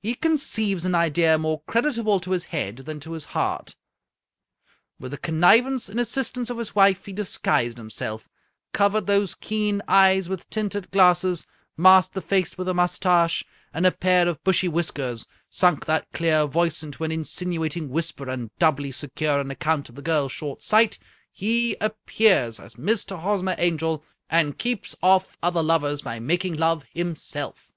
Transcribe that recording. He conceives an idea more creditable to his head than to his heart. With the con nivance and assistance of his wife, he disguised himself, covered those keen eyes with tinted glasses masked the 58 A. Conan Doyle face witii a mustache and a pair of bushy whiskers, sunk that clear voice into an insinuating whisper, and doubly secure on account of the girl's short sight, he appears as Mr. Hosmer Angel, and keeps oflE other lovers by making love himself."